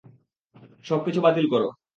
সবকিছু বাতিল করো।